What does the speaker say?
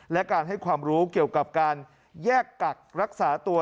และการให้ความรู้เกี่ยวกับการแยกกักรักษาตัว